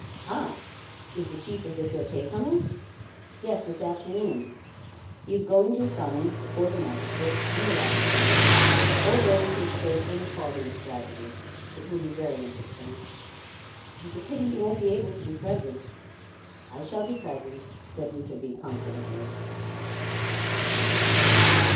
"Ah! Is the Chief of the Surete coming?" "Yes, this afternoon. He is going to summon, before the magistrate, in the laboratory, all those who have played any part in this tragedy. It will be very interesting. It is a pity you won't be able to be present." "I shall be present," said Rouletabille confidently.